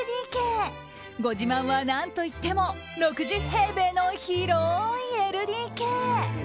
ご自慢は何といっても６０平米の広いＬＤＫ。